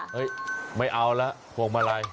ไม่เอาแล้วพวงมาลัย